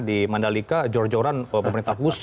di mandalika jor joran pemerintah khusus